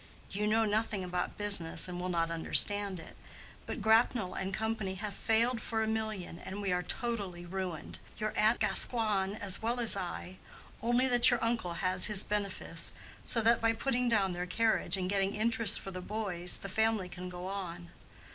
You know nothing about business and will not understand it; but Grapnell & Co. have failed for a million, and we are totally ruined—your aunt Gascoigne as well as I, only that your uncle has his benefice, so that by putting down their carriage and getting interest for the boys, the family can go on.